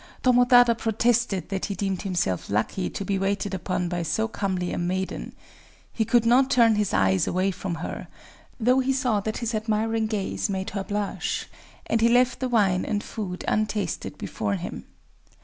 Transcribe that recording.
Tomotada protested that he deemed himself lucky to be waited upon by so comely a maiden. He could not turn his eyes away from her—though he saw that his admiring gaze made her blush;—and he left the wine and food untasted before him.